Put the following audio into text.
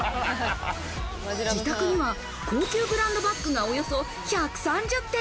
自宅には高級ブランドバッグがおよそ１３０点。